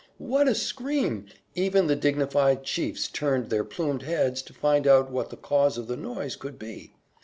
What a scream! Even the dignified chiefs turned their plumed heads to find out what the cause of the noise could be.